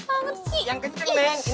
aduh bang ini berat banget